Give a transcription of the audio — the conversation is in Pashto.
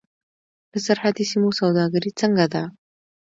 د سرحدي سیمو سوداګري څنګه ده؟